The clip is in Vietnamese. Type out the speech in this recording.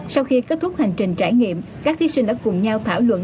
sau khi kết thúc hành trình trải nghiệm các thí sinh đã cùng nhau thảo luận